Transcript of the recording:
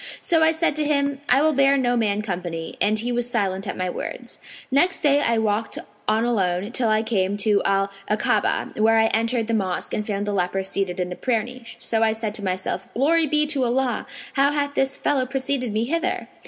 So I said to him, 'I will bear no man company'; and he was silent at my words. Next day I walked on alone, till I came to Al Akabah,[FN#503] where I entered the mosque and found the leper seated in the prayer niche. So I said to myself, 'Glory be to Allah! how hath this fellow preceded me hither?'